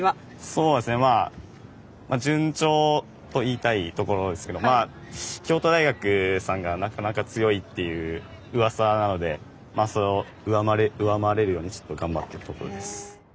そうですねまあ順調と言いたいところですけどまあ京都大学さんがなかなか強いっていううわさなのでまあそれを上回れるようにちょっと頑張ってるところです。